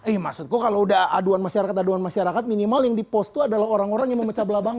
eh maksudku kalau udah aduan masyarakat aduan masyarakat minimal yang dipost itu adalah orang orang yang memecah belah bang